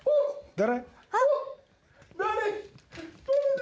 誰？